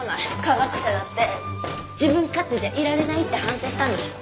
科学者だって自分勝手じゃいられないって反省したんでしょ？